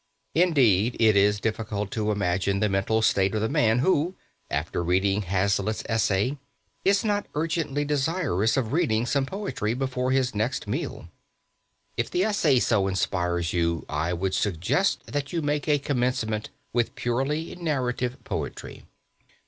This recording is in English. Indeed, it is difficult to imagine the mental state of the man who, after reading Hazlitt's essay, is not urgently desirous of reading some poetry before his next meal. If the essay so inspires you I would suggest that you make a commencement with purely narrative poetry.